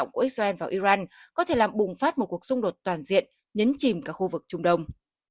của israel vào iran có thể làm bùng phát một cuộc xung đột toàn diện nhấn chìm cả khu vực trung đông